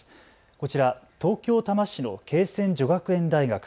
こちら東京多摩市の恵泉女学園大学。